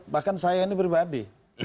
bahkan saya ini pribadi